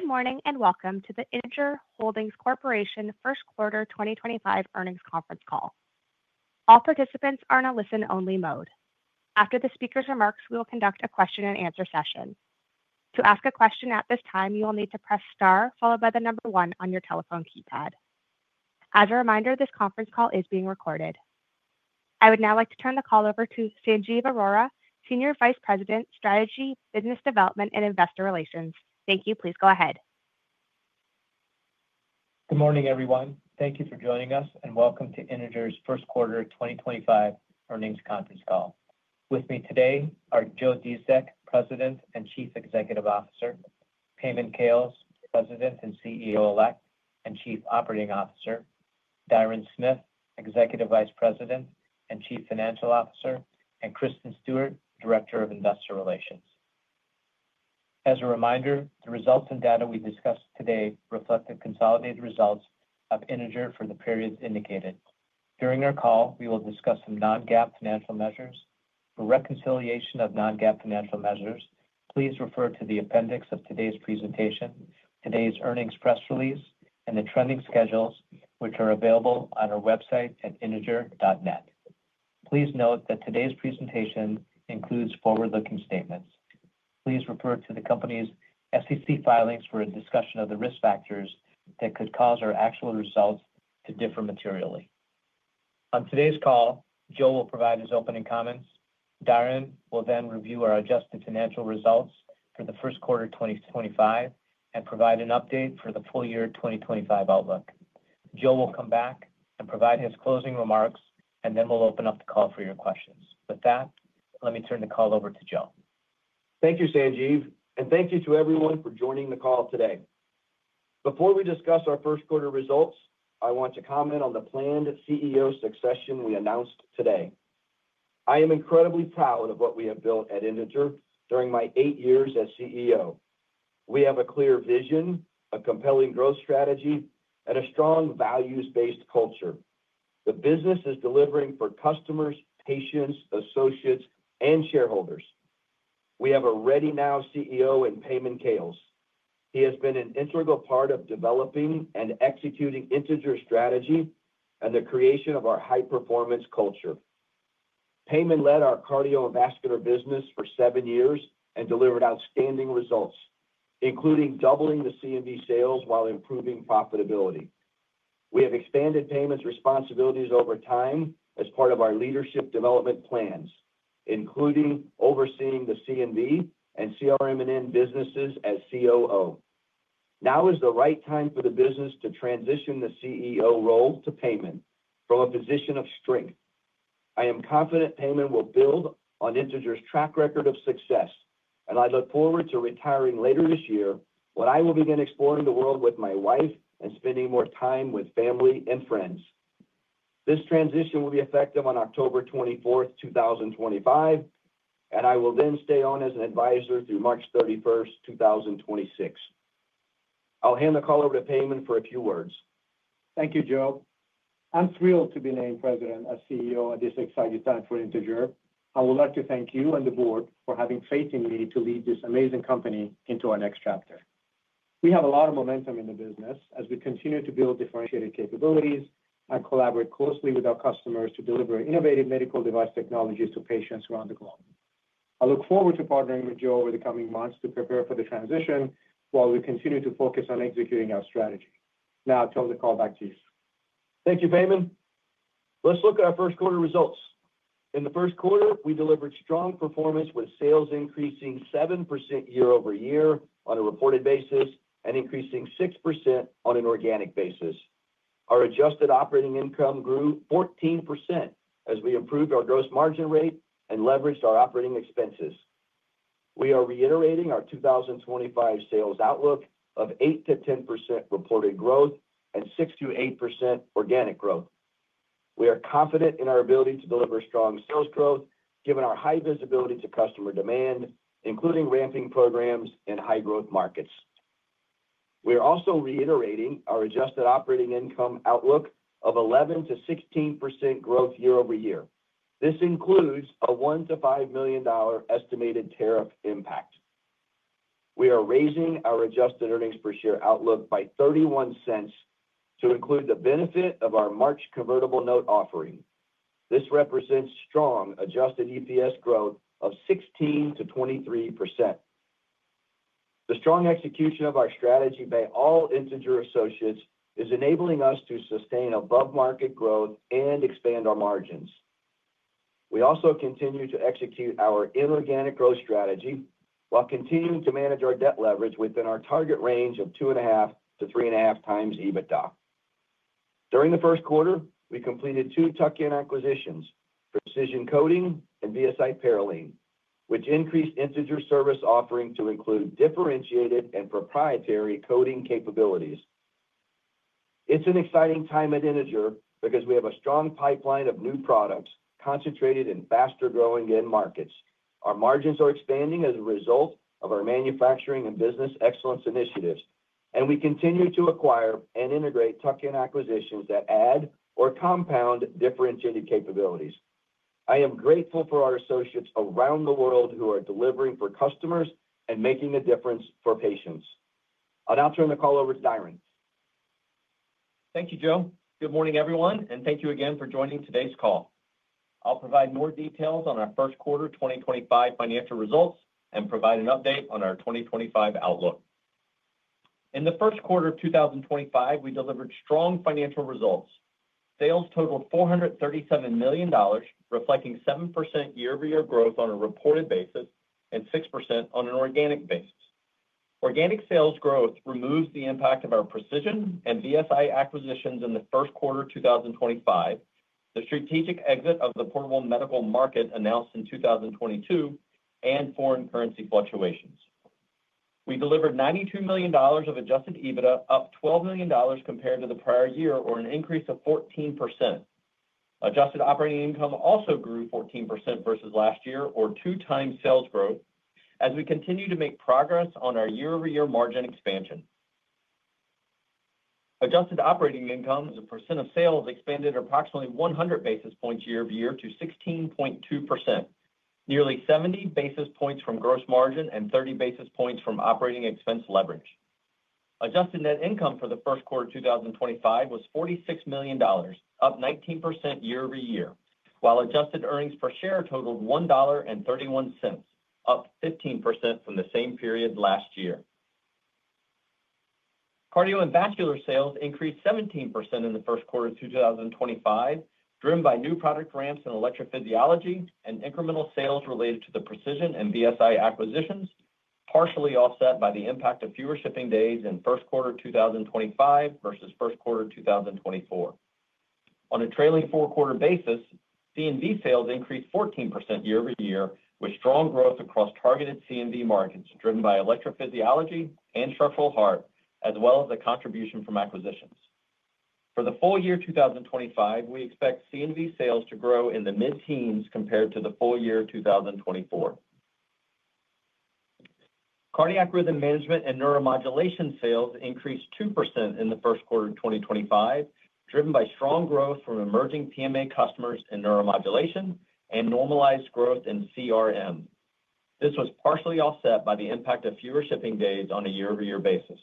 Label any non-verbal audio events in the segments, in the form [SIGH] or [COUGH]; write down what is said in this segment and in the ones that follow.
Good morning and welcome to the Integer Holdings Corporation First Quarter 2025 earnings conference call. All participants are in a listen-only mode. After the speaker's remarks, we will conduct a question-and-answer session. To ask a question at this time, you will need to press star followed by the number one on your telephone keypad. As a reminder, this conference call is being recorded. I would now like to turn the call over to Sanjiv Arora, Senior Vice President, Strategy, Business Development, and Investor Relations. Thank you. Please go ahead. Good morning, everyone. Thank you for joining us and welcome to Integer's First Quarter 2025 Earnings Conference Call. With me today are Joe Dziedzic, President and Chief Executive Officer; Payman Khales, President and CEO-Elect and Chief Operating Officer; Diron Smith, Executive Vice President and Chief Financial Officer; and Kristen Stewart, Director of Investor Relations. As a reminder, the results and data we discuss today reflect the consolidated results of Integer for the periods indicated. During our call, we will discuss some non-GAAP financial measures. For reconciliation of non-GAAP financial measures, please refer to the appendix of today's presentation, today's earnings press release, and the trending schedules, which are available on our website at integer.net. Please note that today's presentation includes forward-looking statements. Please refer to the company's SEC filings for a discussion of the risk factors that could cause our actual results to differ materially. On today's call, Joe will provide his opening comments. Diron will then review our adjusted financial results for the first quarter 2025 and provide an update for the full year 2025 outlook. Joe will come back and provide his closing remarks, and then we'll open up the call for your questions. With that, let me turn the call over to Joe. Thank you, Sanjiv, and thank you to everyone for joining the call today. Before we discuss our first quarter results, I want to comment on the planned CEO succession we announced today. I am incredibly proud of what we have built at Integer during my eight years as CEO. We have a clear vision, a compelling growth strategy, and a strong values-based culture. The business is delivering for customers, patients, associates, and shareholders. We have a ready now CEO in Payman Khales. He has been an integral part of developing and executing Integer's strategy and the creation of our high-performance culture. Payman led our cardiovascular business for seven years and delivered outstanding results, including doubling the C&V sales while improving profitability. We have expanded Payman's responsibilities over time as part of our leadership development plans, including overseeing the C&V CRM&N businesses as COO. Now is the right time for the business to transition the CEO role to Payman from a position of strength. I am confident Payman will build on Integer's track record of success, and I look forward to retiring later this year, when I will begin exploring the world with my wife and spending more time with family and friends. This transition will be effective on October 24, 2025, and I will then stay on as an advisor through March 31, 2026. I'll hand the call over to Payman for a few words. Thank you, Joe. I'm thrilled to be named President and CEO at this exciting time for Integer. I would like to thank you and the board for having faith in me to lead this amazing company into our next chapter. We have a lot of momentum in the business as we continue to build differentiated capabilities and collaborate closely with our customers to deliver innovative medical device technologies to patients around the globe. I look forward to partnering with Joe over the coming months to prepare for the transition while we continue to focus on executing our strategy. Now I'll turn the call back to you. Thank you, Payman. Let's look at our first quarter results. In the first quarter, we delivered strong performance with sales increasing 7% year-over-year on a reported basis and increasing 6% on an organic basis. Our adjusted operating income grew 14% as we improved our gross margin rate and leveraged our operating expenses. We are reiterating our 2025 sales outlook of 8%-10% reported growth and 6%-8% organic growth. We are confident in our ability to deliver strong sales growth, given our high visibility to customer demand, including ramping programs in high-growth markets. We are also reiterating our adjusted operating income outlook of 11%-16% growth year-over-year. This includes a $1 million-$5 million estimated tariff impact. We are raising our adjusted earnings per share outlook by $0.31 to include the benefit of our March convertible note offering. This represents strong adjusted EPS growth of 16%-23%. The strong execution of our strategy by all Integer Associates is enabling us to sustain above-market growth and expand our margins. We also continue to execute our inorganic growth strategy while continuing to manage our debt leverage within our target range of two and a half to three and a half times EBITDA. During the first quarter, we completed two tuck-in acquisitions, Precision Coating and VSi Parylene, which increased Integer's service offering to include differentiated and proprietary coating capabilities. It's an exciting time at Integer because we have a strong pipeline of new products concentrated in faster-growing end markets. Our margins are expanding as a result of our manufacturing and business excellence initiatives, and we continue to acquire and integrate tuck-in acquisitions that add or compound differentiated capabilities. I am grateful for our associates around the world who are delivering for customers and making a difference for patients. I'll now turn the call over to Diron. Thank you, Joe. Good morning, everyone, and thank you again for joining today's call. I'll provide more details on our first quarter 2025 financial results and provide an update on our 2025 outlook. In the first quarter of 2025, we delivered strong financial results. Sales totaled $437 million, reflecting 7% year-over-year growth on a reported basis and 6% on an organic basis. Organic sales growth removes the impact of our Precision and VSi acquisitions in the first quarter 2025, the strategic exit of the portable medical market announced in 2022, and foreign currency fluctuations. We delivered $92 million of adjusted EBITDA, up $12 million compared to the prior year, or an increase of 14%. Adjusted operating income also grew 14% versus last year, or two-time sales growth, as we continue to make progress on our year-over-year margin expansion. Adjusted operating income as a percent of sales expanded approximately 100 basis points year-over-year to 16.2%, nearly 70 basis points from gross margin and 30 basis points from operating expense leverage. Adjusted net income for the first quarter 2025 was $46 million, up 19% year-over-year, while adjusted earnings per share totaled $1.31, up 15% from the same period last year. Cardio & Vascular sales increased 17% in the first quarter 2025, driven by new product ramps in electrophysiology and incremental sales related to the Precision Coating and VSi Parylene acquisitions, partially offset by the impact of fewer shipping days in first quarter 2025 versus first quarter 2024. On a trailing four-quarter basis, C&V sales increased 14% year-over-year, with strong growth across targeted C&V markets driven by electrophysiology and structural heart, as well as the contribution from acquisitions. For the full year 2025, we expect C&V sales to grow in the mid-teens compared to the full year 2024. Cardiac Rhythm Management & Neuromodulation sales increased 2% in the first quarter 2025, driven by strong growth from emerging PMA customers and Neuromodulation and normalized growth in CRM. This was partially offset by the impact of fewer shipping days on a year-over-year basis.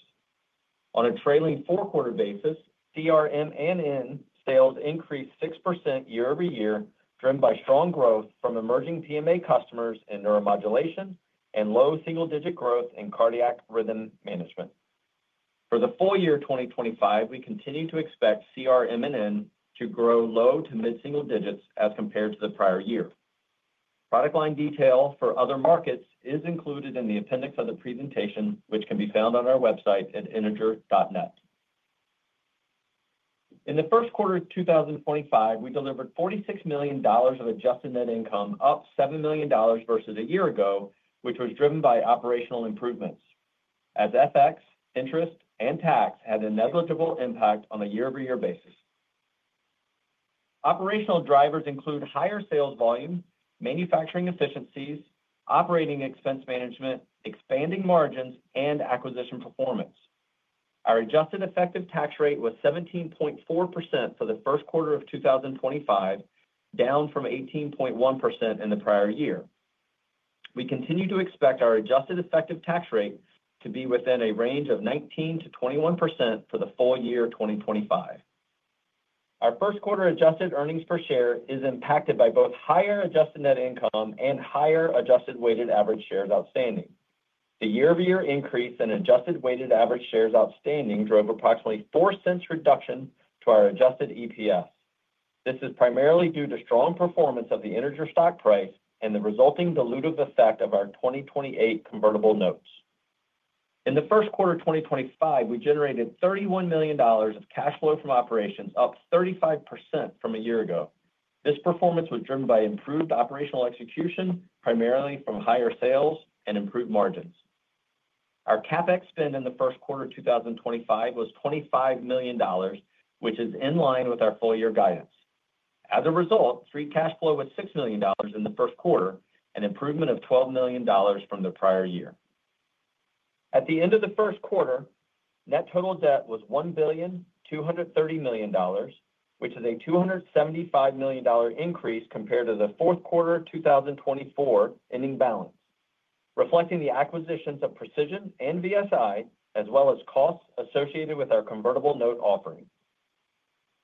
On a trailing four-quarter basis, CRM&N sales increased 6% year-over-year, driven by strong growth from emerging PMA customers and Neuromodulation and low single-digit growth in Cardiac Rhythm Management. For the full year 2025, we continue to expect CRM&N to grow low to mid-single digits as compared to the prior year. Product line detail for other markets is included in the appendix of the presentation, which can be found on our website at integer.net. In the first quarter 2025, we delivered $46 million of adjusted net income, up $7 million versus a year ago, which was driven by operational improvements as FX, interest, and tax had a negligible impact on a year-over-year basis. Operational drivers include higher sales volume, manufacturing efficiencies, operating expense management, expanding margins, and acquisition performance. Our adjusted effective tax rate was 17.4% for the first quarter of 2025, down from 18.1% in the prior year. We continue to expect our adjusted effective tax rate to be within a range of 19%-21% for the full year 2025. Our first quarter adjusted earnings per share is impacted by both higher adjusted net income and higher adjusted weighted average shares outstanding. The year-over-year increase in adjusted weighted average shares outstanding drove approximately $0.04 reduction to our adjusted EPS. This is primarily due to strong performance of the Integer stock price and the resulting dilutive effect of our 2028 convertible notes. In the first quarter 2025, we generated $31 million of cash flow from operations, up 35% from a year ago. This performance was driven by improved operational execution, primarily from higher sales and improved margins. Our CapEx spend in the first quarter 2025 was $25 million, which is in line with our full-year guidance. As a result, free cash flow was $6 million in the first quarter, an improvement of $12 million from the prior year. At the end of the first quarter, net total debt was $1,230,000,000, which is a $275 million increase compared to the fourth quarter 2024 ending balance, reflecting the acquisitions of Precision Coating and VSi Parylene, as well as costs associated with our convertible note offering.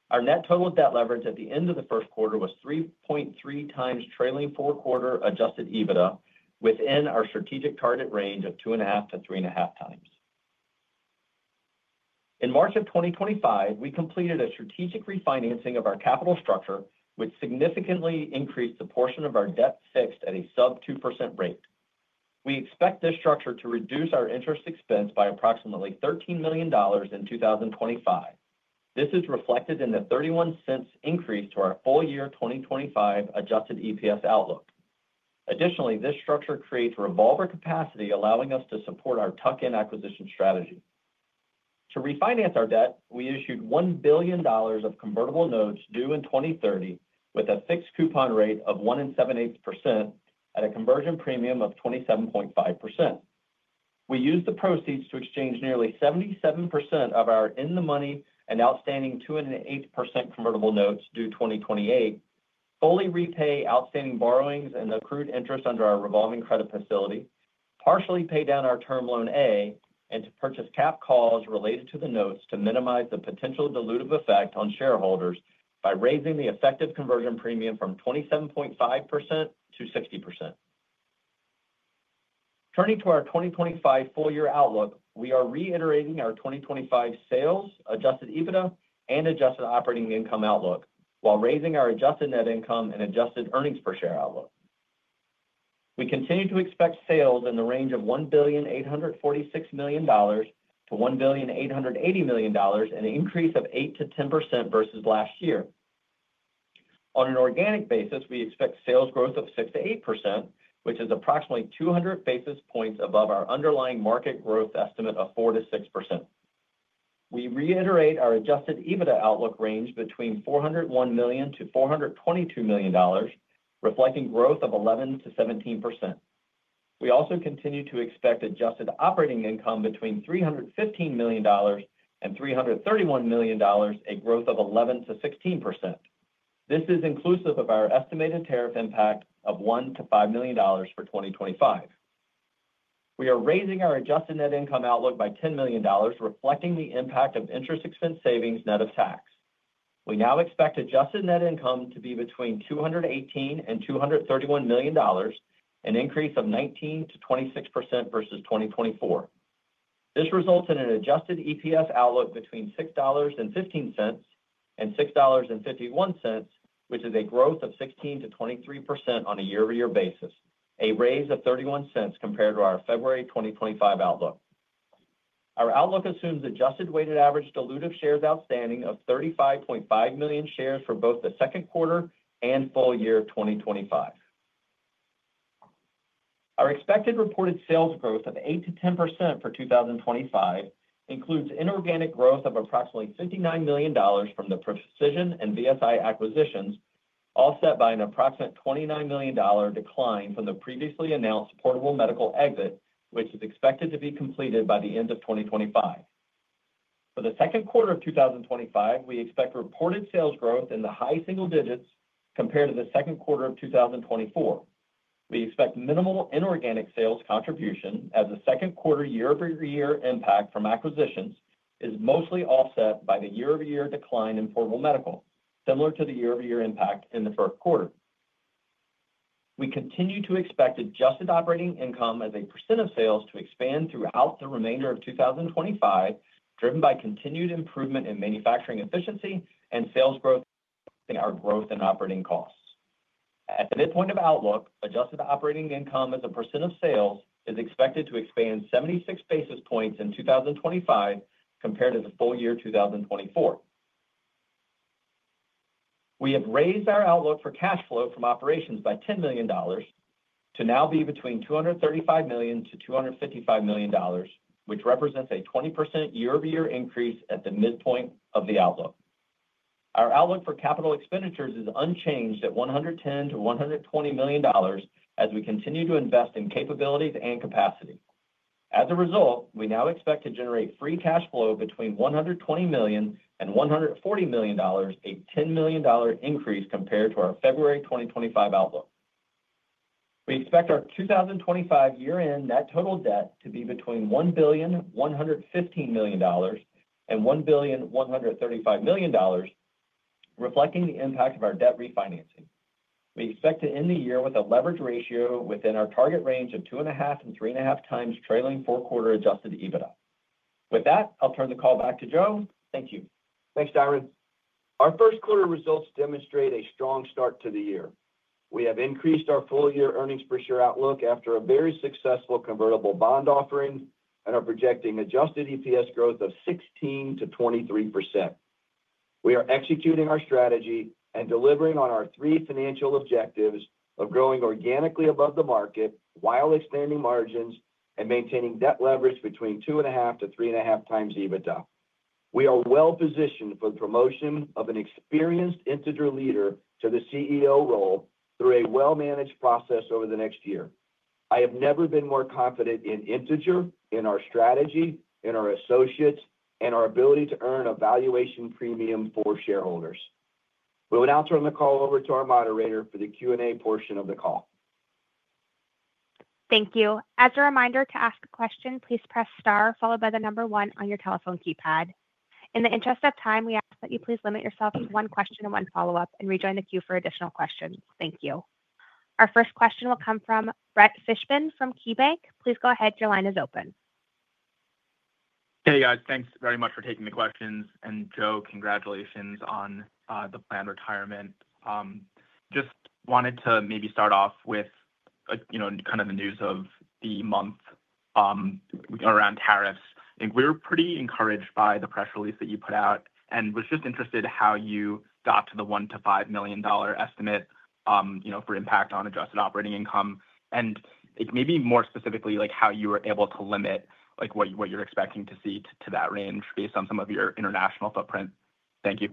Our net total debt leverage at the end of the first quarter was 3.3x times trailing four-quarter adjusted EBITDA, within our strategic target range of 2.5-3.5x. In March of 2025, we completed a strategic refinancing of our capital structure, which significantly increased the portion of our debt fixed at a sub-2% rate. We expect this structure to reduce our interest expense by approximately $13 million in 2025. This is reflected in the $0.31 increase to our full year 2025 adjusted EPS outlook. Additionally, this structure creates revolver capacity, allowing us to support our tuck-in acquisition strategy. To refinance our debt, we issued $1 billion of convertible notes due in 2030, with a fixed coupon rate of 1.78% at a conversion premium of 27.5%. We used the proceeds to exchange nearly 77% of our in-the-money and outstanding 2.8% convertible notes due 2028, fully repay outstanding borrowings and accrued interest under our revolving credit facility, partially pay down our Term Loan A, and to purchase capped calls related to the notes to minimize the potential dilutive effect on shareholders by raising the effective conversion premium from 27.5%-60%. Turning to our 2025 full-year outlook, we are reiterating our 2025 sales adjusted EBITDA and adjusted operating income outlook while raising our adjusted net income and adjusted earnings per share outlook. We continue to expect sales in the range of $1,846,000,000-$1,880,000 and an increase of 8%-10% versus last year. On an organic basis, we expect sales growth of 6%-8%, which is approximately 200 basis points above our underlying market growth estimate of 4%-6%. We reiterate our adjusted EBITDA outlook range between $401 million and $422 million, reflecting growth of 11%-17%. We also continue to expect adjusted operating income between $315 million and $331 million, a growth of 11%-16%. This is inclusive of our estimated tariff impact of $1 million-$5 million for 2025. We are raising our adjusted net income outlook by $10 million, reflecting the impact of interest expense savings net of tax. We now expect adjusted net income to be between $218 million and $231 million, an increase of 19-26% versus 2024. This results in an adjusted EPS outlook between $6.15 and $6.51, which is a growth of 16%-23% on a year-over-year basis, a raise of $0.31 compared to our February 2025 outlook. Our outlook assumes adjusted weighted average dilutive shares outstanding of 35.5 million shares for both the second quarter and full year 2025. Our expected reported sales growth of 8%-10% for 2025 includes inorganic growth of approximately $59 million from the Precision and VSi acquisitions, offset by an approximate $29 million decline from the previously announced Portable Medical exit, which is expected to be completed by the end of 2025. For the second quarter of 2025, we expect reported sales growth in the high single digits compared to the second quarter of 2024. We expect minimal inorganic sales contribution as the second quarter year-over-year impact from acquisitions is mostly offset by the year-over-year decline in Portable Medical, similar to the year-over-year impact in the first quarter. We continue to expect adjusted operating income as a percent of sales to expand throughout the remainder of 2025, driven by continued improvement in manufacturing efficiency and sales growth, our growth in operating costs. At the midpoint of outlook, adjusted operating income as a percent of sales is expected to expand 76 basis points in 2025 compared to the full year 2024. We have raised our outlook for cash flow from operations by $10 million to now be between $235 million-$255 million, which represents a 20% year-over-year increase at the midpoint of the outlook. Our outlook for capital expenditures is unchanged at $110 million-$120 million as we continue to invest in capabilities and capacity. As a result, we now expect to generate free cash flow between $120 million and $140 million, a $10 million increase compared to our February 2025 outlook. We expect our 2025 year-end net total debt to be between $1,115,000,000 and $1,135,000,000, reflecting the impact of our debt refinancing. We expect to end the year with a leverage ratio within our target range of two and a half and three and a half times trailing four-quarter adjusted EBITDA. With that, I'll turn the call back to Joe. Thank you. Thanks, Diron. Our first quarter results demonstrate a strong start to the year. We have increased our full-year earnings per share outlook after a very successful convertible bond offering and are projecting adjusted EPS growth of 16%-23%. We are executing our strategy and delivering on our three financial objectives of growing organically above the market while expanding margins and maintaining debt leverage between 2.5-3.5x EBITDA. We are well positioned for the promotion of an experienced Integer leader to the CEO role through a well-managed process over the next year. I have never been more confident in Integer, in our strategy, in our associates, and our ability to earn a valuation premium for shareholders. We will now turn the call over to our moderator for the Q&A portion of the call. Thank you. As a reminder, to ask a question, please press star, followed by the number one on your telephone keypad. In the interest of time, we ask that you please limit yourself to one question and one follow-up and rejoin the queue for additional questions. Thank you. Our first question will come from Brett Fishbin from KeyBanc. Please go ahead. Your line is open. Hey, guys. Thanks very much for taking the questions. Joe, congratulations on the planned retirement. I just wanted to maybe start off with kind of the news of the month around tariffs. I think we were pretty encouraged by the press release that you put out and was just interested how you got to the $1 million-$5 million estimate for impact on adjusted operating income. Maybe more specifically, how you were able to limit what you're expecting to see to that range based on some of your international footprint? Thank you.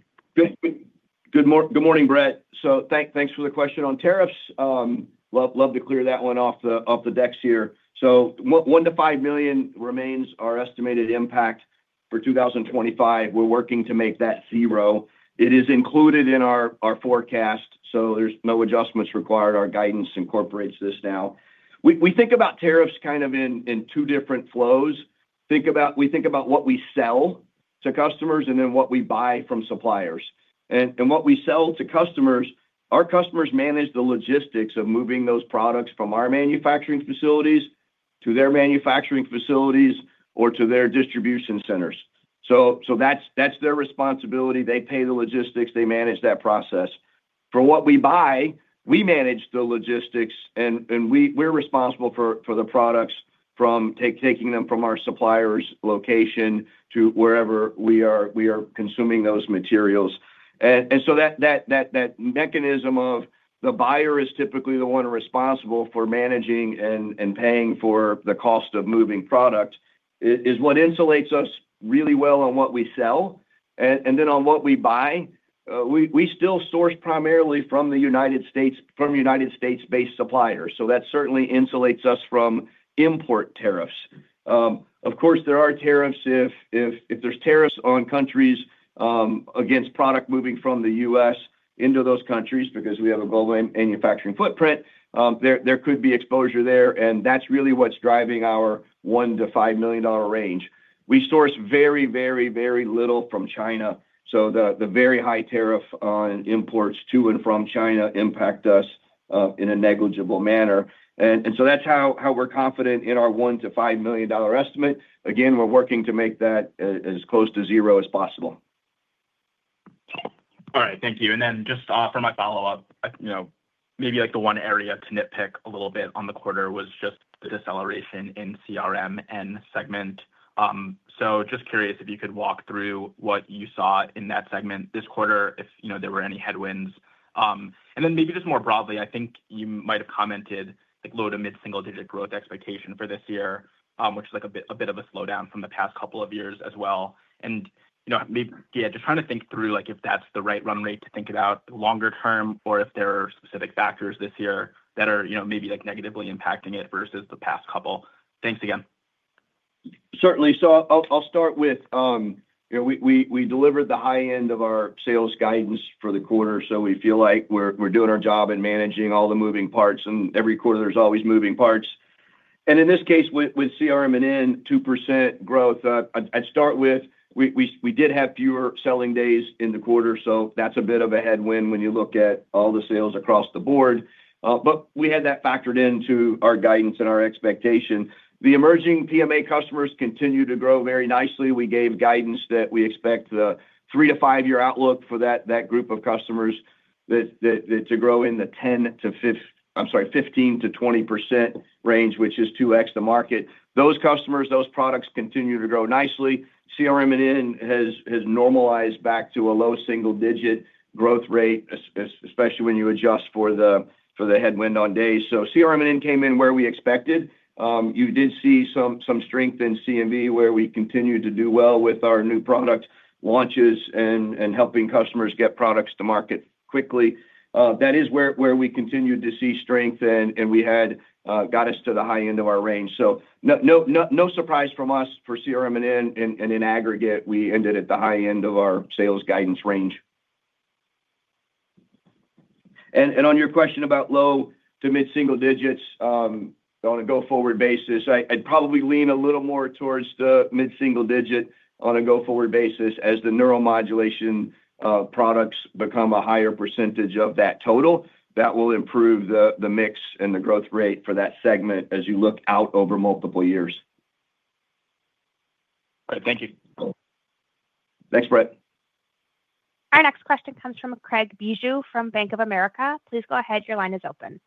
Good morning, Brett. Thanks for the question on tariffs. Love to clear that one off the decks here. $1 million-$5 million remains our estimated impact for 2025. We're working to make that zero. It is included in our forecast, so there's no adjustments required. Our guidance incorporates this now. We think about tariffs kind of in two different flows. We think about what we sell to customers and then what we buy from suppliers. In what we sell to customers, our customers manage the logistics of moving those products from our manufacturing facilities to their manufacturing facilities or to their distribution centers. That's their responsibility. They pay the logistics. They manage that process. For what we buy, we manage the logistics, and we're responsible for the products from taking them from our supplier's location to wherever we are consuming those materials. That mechanism of the buyer is typically the one responsible for managing and paying for the cost of moving product, which insulates us really well on what we sell. On what we buy, we still source primarily from United States-based suppliers. That certainly insulates us from import tariffs. Of course, there are tariffs if there are tariffs on countries against product moving from the United States into those countries because we have a global manufacturing footprint. There could be exposure there, and that's really what's driving our $1 million-$ 5 million range. We source very, very, very little from China. The very high tariff on imports to and from China impacts us in a negligible manner. That's how we're confident in our $1-5 million estimate. Again, we're working to make that as close to zero as possible. All right. Thank you. And then just for my follow-up, maybe the one area to nitpick a little bit on the quarter was just the deceleration in CRM and segment. Just curious if you could walk through what you saw in that segment this quarter, if there were any headwinds. Maybe just more broadly, I think you might have commented low to mid-single-digit growth expectation for this year, which is a bit of a slowdown from the past couple of years as well. Yeah, just trying to think through if that's the right run rate to think about longer term or if there are specific factors this year that are maybe negatively impacting it versus the past couple. Thanks again. Certainly. I'll start with we delivered the high end of our sales guidance for the quarter, so we feel like we're doing our job in managing all the moving parts. Every quarter, there's always moving parts. In this case, with CRM&N and in 2% growth, I'd start with we did have fewer selling days in the quarter, so that's a bit of a headwind when you look at all the sales across the board. We had that factored into our guidance and our expectation. The emerging PMA customers continue to grow very nicely. We gave guidance that we expect the three- to five-year outlook for that group of customers to grow in the 15%-20% range, which is 2x the market. Those customers, those products continue to grow nicely. CRM&N has normalized back to a low single-digit growth rate, especially when you adjust for the headwind on days. CRM&N came in where we expected. You did see some strength in C&V where we continued to do well with our new product launches and helping customers get products to market quickly. That is where we continued to see strength, and it got us to the high end of our range. No surprise from us for CRM&N. In aggregate, we ended at the high end of our sales guidance range. On your question about low to mid-single digits on a go-forward basis, I'd probably lean a little more towards the mid-single digit on a go-forward basis as the Neuromodulation products become a higher percentage of that total. That will improve the mix and the growth rate for that segment as you look out over multiple years. All right. Thank you. Thanks, Brett. Our next question comes from Craig Bijou from Bank of America. Please go ahead. Your line is open.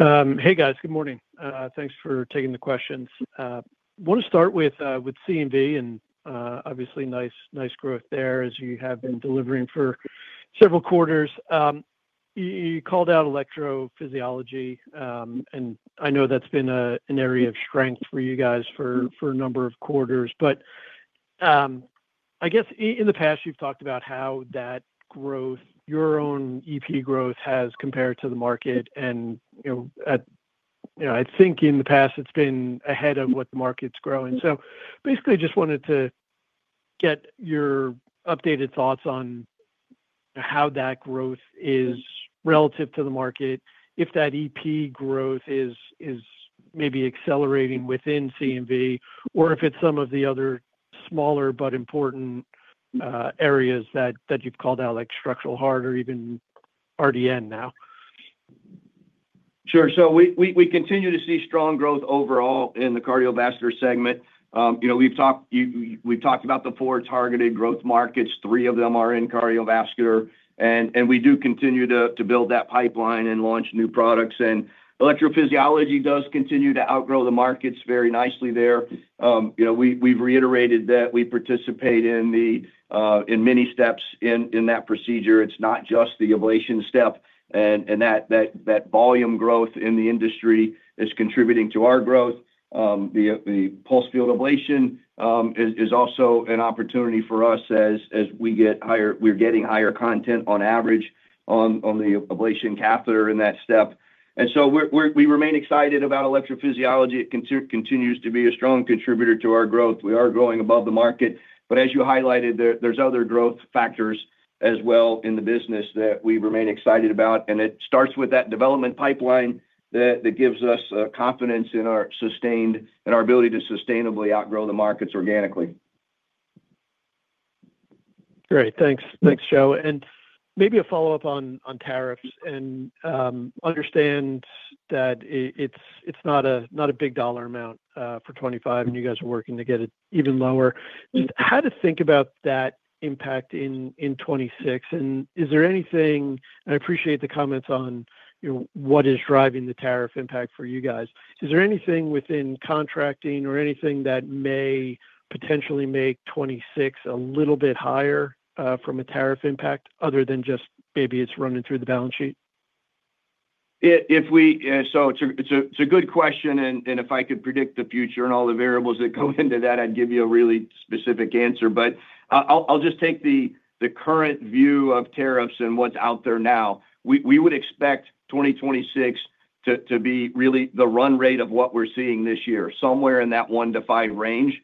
Hey, guys. Good morning. Thanks for taking the questions. I want to start with C&V, and obviously, nice growth there as you have been delivering for several quarters. You called out electrophysiology, and I know that's been an area of strength for you guys for a number of quarters. I guess in the past, you've talked about how that growth, your own EP growth has compared to the market. I think in the past, it's been ahead of what the market's growing. Basically, I just wanted to get your updated thoughts on how that growth is relative to the market, if that EP growth is maybe accelerating within C&V, or if it's some of the other smaller but important areas that you've called out like structural heart or even RDN now. Sure. We continue to see strong growth overall in the cardiovascular segment. We've talked about the four targeted growth markets. Three of them are in cardiovascular. We do continue to build that pipeline and launch new products. Electrophysiology does continue to outgrow the markets very nicely there. We've reiterated that we participate in many steps in that procedure. It's not just the ablation step. That volume growth in the industry is contributing to our growth. The pulsed field ablation is also an opportunity for us as we get higher, we're getting higher content on average on the ablation catheter in that step. We remain excited about electrophysiology. It continues to be a strong contributor to our growth. We are growing above the market. As you highlighted, there's other growth factors as well in the business that we remain excited about. It starts with that development pipeline that gives us confidence in our ability to sustainably outgrow the markets organically. Great. Thanks, Joe. Maybe a follow-up on tariffs. I understand that it's not a big dollar amount for 2025, and you guys are working to get it even lower. How should we think about that impact in 2026? I appreciate the comments on what is driving the tariff impact for you guys. Is there anything within contracting or anything that may potentially make 2026 a little bit higher from a tariff impact other than just maybe it's running through the balance sheet? It is a good question. If I could predict the future and all the variables that go into that, I would give you a really specific answer. I will just take the current view of tariffs and what is out there now. We would expect 2026 to be really the run rate of what we are seeing this year, somewhere in that one- to five-range.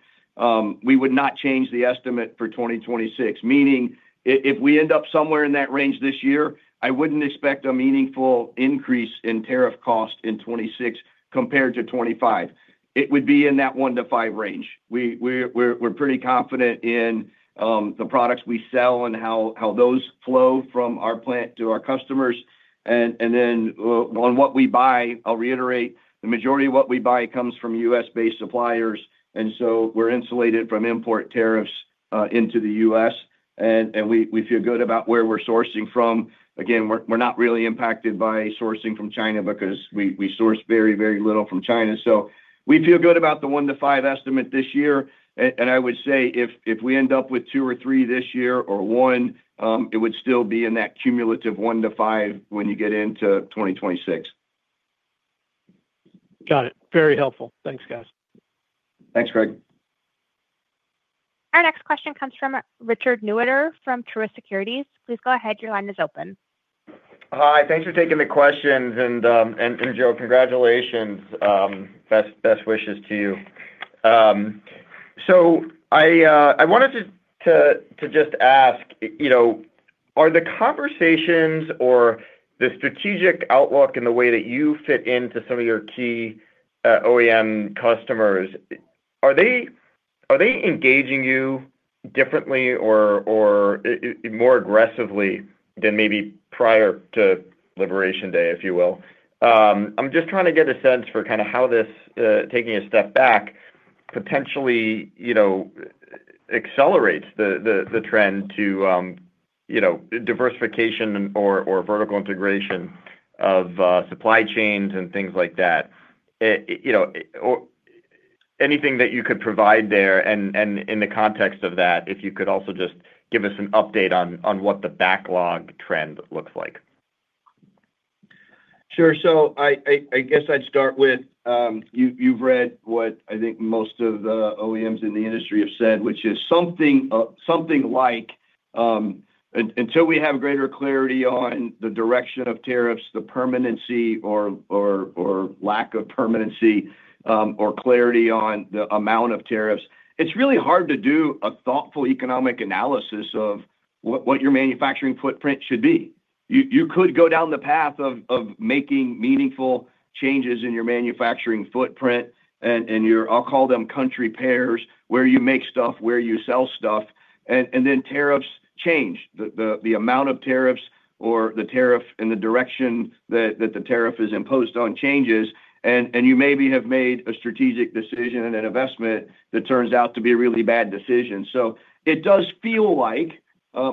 We would not change the estimate for 2026. Meaning, if we end up somewhere in that range this year, I would not expect a meaningful increase in tariff cost in 2026 compared to 2025. It would be in that one- to five-range. We are pretty confident in the products we sell and how those flow from our plant to our customers. On what we buy, I will reiterate, the majority of what we buy comes from U.S.-based suppliers. We're insulated from import tariffs into the U.S., and we feel good about where we're sourcing from. Again, we're not really impacted by sourcing from China because we source very, very little from China. We feel good about the one to five estimate this year. I would say if we end up with two or three this year or one, it would still be in that cumulative one to five when you get into 2026. Got it. Very helpful. Thanks, guys. Thanks, Craig. Our next question comes from Richard Newitter from Truist Securities. Please go ahead. Your line is open. Hi. Thanks for taking the question. Joe, congratulations. Best wishes to you. I wanted to just ask, are the conversations or the strategic outlook and the way that you fit into some of your key OEM customers, are they engaging you differently or more aggressively than maybe prior to Liberation Day, if you will? I'm just trying to get a sense for kind of how this, taking a step back, potentially accelerates the trend to diversification or vertical integration of supply chains and things like that. Anything that you could provide there? In the context of that, if you could also just give us an update on what the backlog trend looks like. Sure. I guess I'd start with you've read what I think most of the OEMs in the industry have said, which is something like, until we have greater clarity on the direction of tariffs, the permanency or lack of permanency, or clarity on the amount of tariffs, it's really hard to do a thoughtful economic analysis of what your manufacturing footprint should be. You could go down the path of making meaningful changes in your manufacturing footprint and your, I'll call them country pairs, where you make stuff, where you sell stuff. Then tariffs change. The amount of tariffs or the tariff and the direction that the tariff is imposed on changes. You maybe have made a strategic decision and an investment that turns out to be a really bad decision. It does feel like,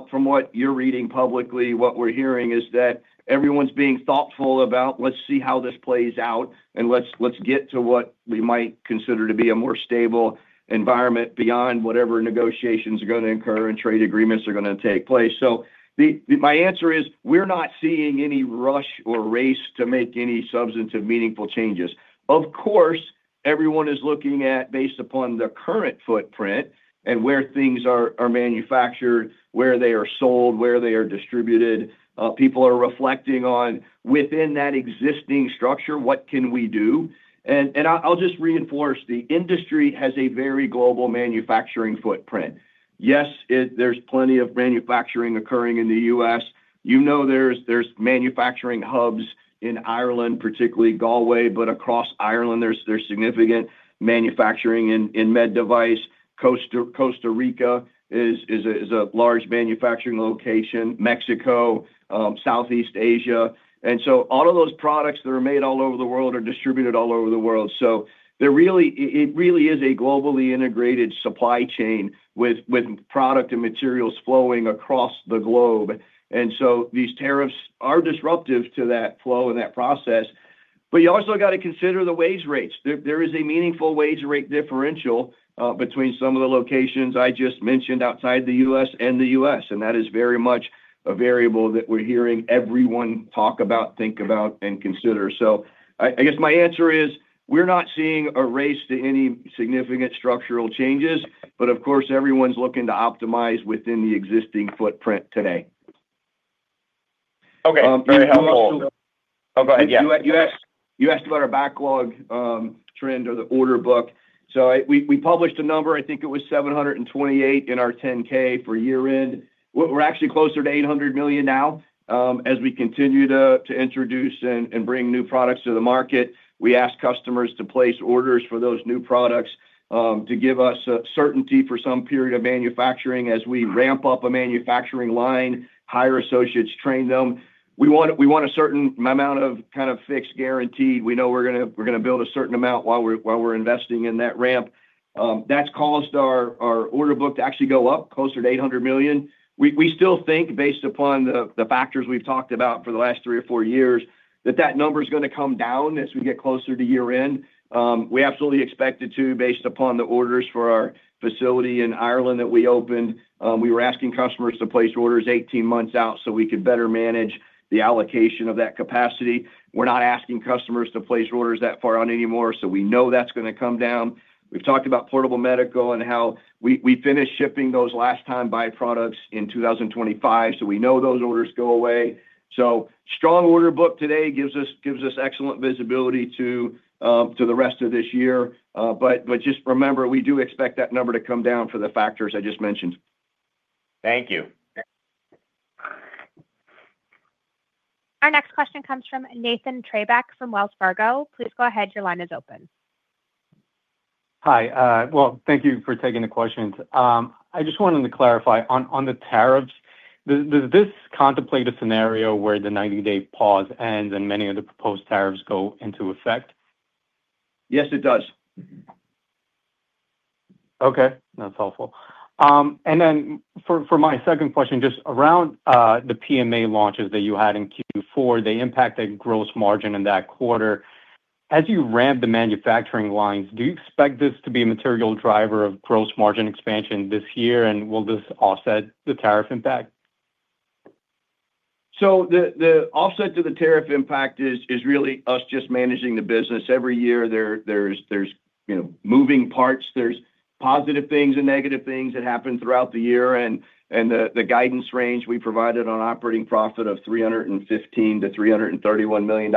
from what you're reading publicly, what we're hearing is that everyone's being thoughtful about, let's see how this plays out, and let's get to what we might consider to be a more stable environment beyond whatever negotiations are going to occur and trade agreements are going to take place. My answer is we're not seeing any rush or race to make any substantive meaningful changes. Of course, everyone is looking at, based upon the current footprint and where things are manufactured, where they are sold, where they are distributed, people are reflecting on, within that existing structure, what can we do? I'll just reinforce the industry has a very global manufacturing footprint. Yes, there's plenty of manufacturing occurring in the U.S. You know there's manufacturing hubs in Ireland, particularly Galway, but across Ireland, there's significant manufacturing in med device. Costa Rica is a large manufacturing location - Mexico, Southeast Asia. All of those products that are made all over the world are distributed all over the world. It really is a globally integrated supply chain with product and materials flowing across the globe. These tariffs are disruptive to that flow and that process. You also got to consider the wage rates. There is a meaningful wage rate differential between some of the locations I just mentioned outside the U.S. and the U.S. That is very much a variable that we're hearing everyone talk about, think about, and consider. I guess my answer is we're not seeing a race to any significant structural changes, but of course, everyone's looking to optimize within the existing footprint today. Okay. Very helpful. [CROSSTALK] Oh, go ahead. Yeah. You asked about our backlog trend or the order book. We published a number, I think it was $728 million in our 10-K for year-end. We're actually closer to $800 million now. As we continue to introduce and bring new products to the market, we ask customers to place orders for those new products to give us certainty for some period of manufacturing as we ramp up a manufacturing line, hire associates, train them. We want a certain amount of kind of fixed guaranteed. We know we're going to build a certain amount while we're investing in that ramp. That's caused our order book to actually go up closer to $800 million. We still think, based upon the factors we've talked about for the last three or four years, that that number is going to come down as we get closer to year-end. We absolutely expect it to, based upon the orders for our facility in Ireland that we opened. We were asking customers to place orders 18 months out so we could better manage the allocation of that capacity. We're not asking customers to place orders that far on anymore, so we know that's going to come down. We've talked about Portable Medical and how we finished shipping those last-time byproducts in 2025, so we know those orders go away. A strong order book today gives us excellent visibility to the rest of this year. Just remember, we do expect that number to come down for the factors I just mentioned. Thank you. Our next question comes from Nathan Treybeck from Wells Fargo. Please go ahead. Your line is open. Hi. Thank you for taking the questions. I just wanted to clarify on the tariffs. Does this contemplate a scenario where the 90-day pause ends and many of the proposed tariffs go into effect? Yes, it does. Okay. That's helpful. For my second question, just around the PMA launches that you had in Q4, they impacted gross margin in that quarter. As you ramp the manufacturing lines, do you expect this to be a material driver of gross margin expansion this year? Will this offset the tariff impact? The offset to the tariff impact is really us just managing the business. Every year, there are moving parts. There are positive things and negative things that happen throughout the year. The guidance range we provided on operating profit of $315 million-$331 million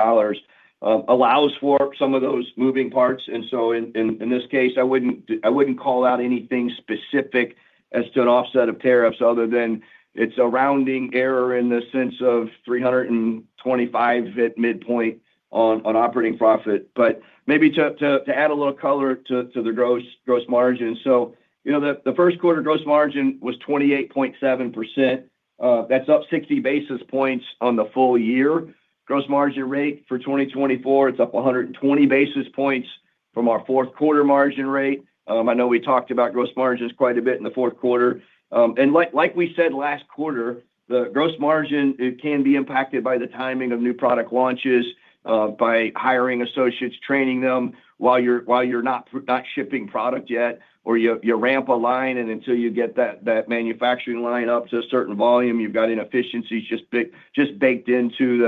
allows for some of those moving parts. In this case, I would not call out anything specific as to an offset of tariffs other than it is a rounding error in the sense of $325 million at midpoint on operating profit, but maybe to add a little color to the gross margin. The first quarter gross margin was 28.7%. That is up 60 basis points on the full year. Gross margin rate for 2024 is up 120 basis points from our fourth quarter margin rate. I know we talked about gross margins quite a bit in the fourth quarter. Like we said last quarter, the gross margin, it can be impacted by the timing of new product launches, by hiring associates, training them while you're not shipping product yet, or you ramp a line. Until you get that manufacturing line up to a certain volume, you've got inefficiencies just baked into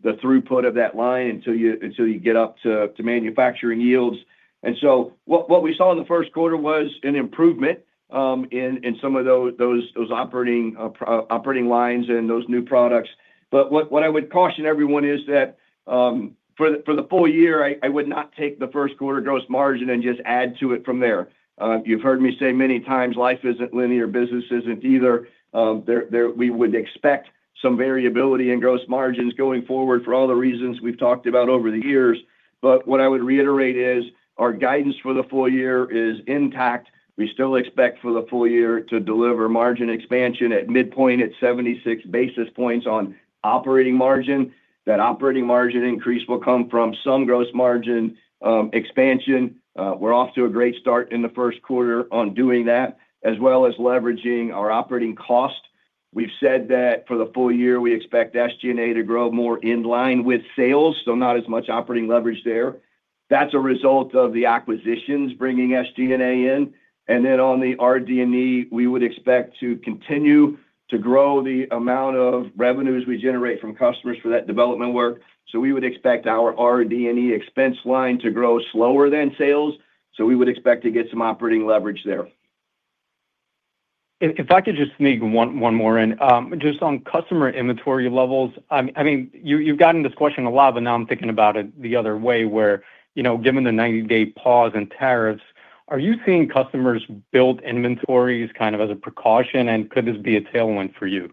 the throughput of that line until you get up to manufacturing yields. What we saw in the first quarter was an improvement in some of those operating lines and those new products. What I would caution everyone is that for the full year, I would not take the first quarter gross margin and just add to it from there. You've heard me say many times, life isn't linear. Business isn't either. We would expect some variability in gross margins going forward for all the reasons we've talked about over the years. What I would reiterate is our guidance for the full year is intact. We still expect for the full year to deliver margin expansion at midpoint at 76 basis points on operating margin. That operating margin increase will come from some gross margin expansion. We are off to a great start in the first quarter on doing that, as well as leveraging our operating cost. We have said that for the full year, we expect SG&A to grow more in line with sales, so not as much operating leverage there. That is a result of the acquisitions bringing SG&A in. On the RD&E, we would expect to continue to grow the amount of revenues we generate from customers for that development work. We would expect our RD&E expense line to grow slower than sales. We would expect to get some operating leverage there. If I could just sneak one more in, just on customer inventory levels. I mean, you've gotten this question a lot, but now I'm thinking about it the other way where, given the 90-day pause and tariffs, are you seeing customers build inventories kind of as a precaution? Could this be a tailwind for you?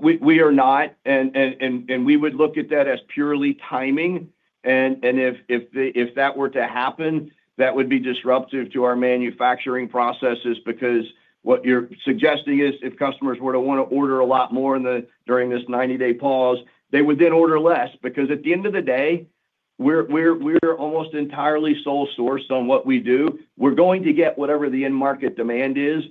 We are not. We would look at that as purely timing. If that were to happen, that would be disruptive to our manufacturing processes because what you're suggesting is if customers were to want to order a lot more during this 90-day pause, they would then order less because at the end of the day, we're almost entirely sole source on what we do. We're going to get whatever the end market demand is.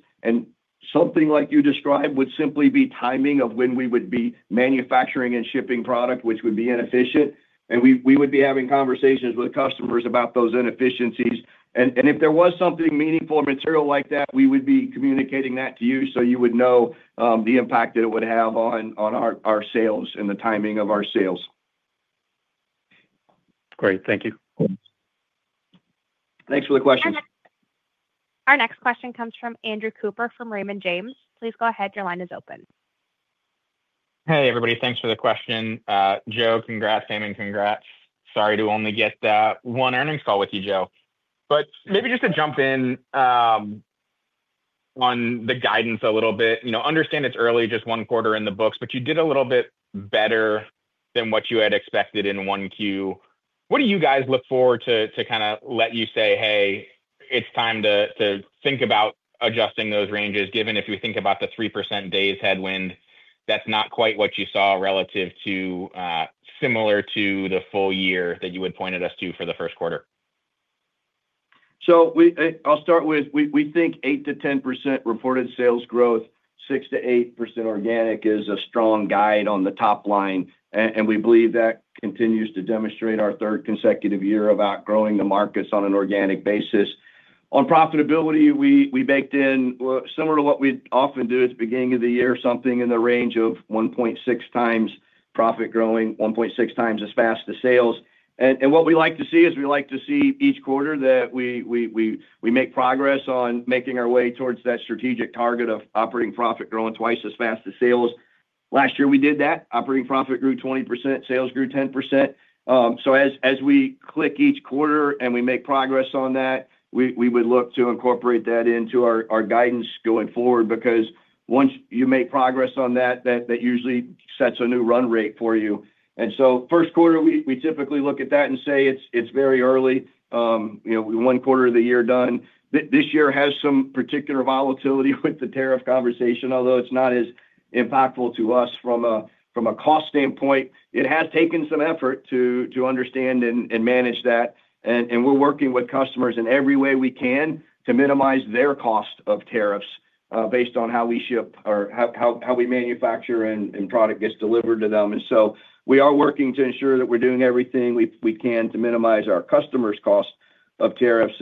Something like you described would simply be timing of when we would be manufacturing and shipping product, which would be inefficient. We would be having conversations with customers about those inefficiencies. If there was something meaningful or material like that, we would be communicating that to you so you would know the impact that it would have on our sales and the timing of our sales. Great. Thank you. Thanks for the question. Our next question comes from Andrew Cooper from Raymond James. Please go ahead. Your line is open. Hey, everybody. Thanks for the question. Joe, congrats. Diron, congrats. Sorry to only get that one earnings call with you, Joe. Maybe just to jump in on the guidance a little bit. Understand it's early, just one quarter in the books, but you did a little bit better than what you had expected in one Q. What do you guys look for to kind of let you say, "Hey, it's time to think about adjusting those ranges," given if you think about the 3% days headwind, that's not quite what you saw relative to similar to the full year that you had pointed us to for the first quarter? We think 8%-10% reported sales growth, 6%-8% organic is a strong guide on the top line. We believe that continues to demonstrate our third consecutive year of outgrowing the markets on an organic basis. On profitability, we baked in similar to what we'd often do at the beginning of the year, something in the range of 1.6x profit growing, 1.6x as fast as sales. What we like to see is we like to see each quarter that we make progress on making our way towards that strategic target of operating profit growing twice as fast as sales. Last year, we did that. Operating profit grew 20%. Sales grew 10%. As we click each quarter and we make progress on that, we would look to incorporate that into our guidance going forward because once you make progress on that, that usually sets a new run rate for you. First quarter, we typically look at that and say it's very early, one quarter of the year done. This year has some particular volatility with the tariff conversation, although it's not as impactful to us from a cost standpoint. It has taken some effort to understand and manage that. We're working with customers in every way we can to minimize their cost of tariffs based on how we ship or how we manufacture and product gets delivered to them. We are working to ensure that we're doing everything we can to minimize our customers' cost of tariffs.